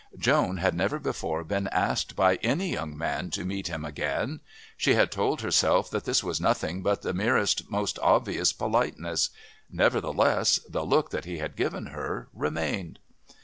Joan had never before been asked by any young man to meet him again. She had told herself that this was nothing but the merest, most obvious politeness; nevertheless the look that he had given her remained.